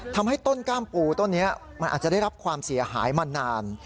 ทำให้ต้นกล้ามปูต้นนี้มันอาจจะได้รับความเสียหายมานาน